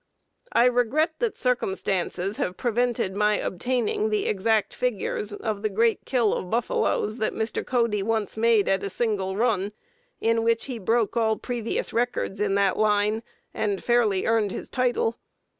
I regret that circumstances have prevented my obtaining the exact figures of the great kill of buffaloes that Mr. Cody once made in a single run, in which he broke all previous records in that line, and fairly earned his title.